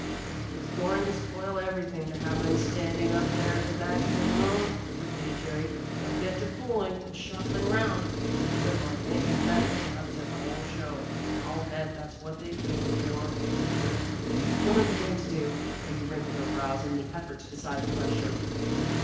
"It's going to spoil everything to have them standing up there at the back of the room," repeated Jerry. "They'll get to fooling, and shuffling 'round. They wouldn't like anything better than to upset the whole show. I'll bet that's what they came for." "What are we going to do?" Peggy wrinkled her brows in the effort to decide the question.